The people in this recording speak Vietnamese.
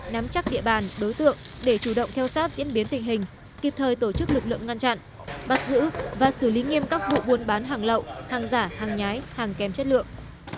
nắm chắc địa bàn đối tượng để chủ động theo sát diễn biến tình hình kịp thời tổ chức lực lượng ngăn chặn bắt giữ và xử lý nghiêm các vụ buôn bán hàng lậu hàng giả hàng nhái hàng kèm chất lượng